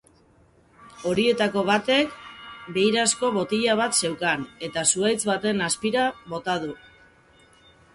Horietako batek beirazko botila bat zeukan, eta zuhaitz baten azpira bota du.